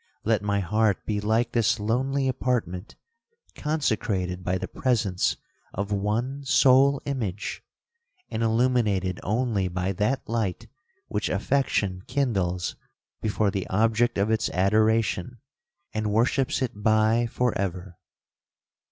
Let my heart be like this lonely apartment, consecrated by the presence of one sole image, and illuminated only by that light which affection kindles before the object of its adoration, and worships it by for ever!'